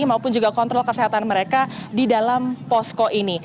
maupun juga kontrol kesehatan mereka di dalam posko ini